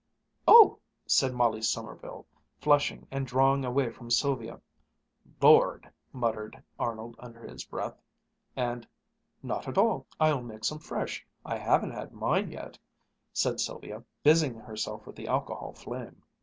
"Oh!" said Molly Sommerville, flushing and drawing away from Sylvia; "Lord!" muttered Arnold under his breath; and "Not at all. I'll make some fresh. I haven't had mine yet," said Sylvia, busying herself with the alcohol flame.